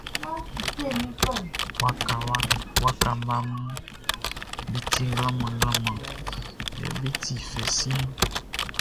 Waka mmaʼm be ti mlanmlanmlan yɛ be ti fɛ siɛnʼn.